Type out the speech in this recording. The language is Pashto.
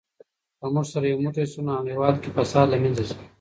که موږ سره یو موټی سو نو هېواد کې فساد له منځه ځي.